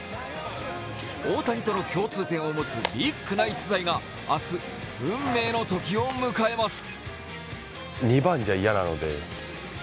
大谷との共通点を持つビッグな逸材が明日、運命の時を迎えます。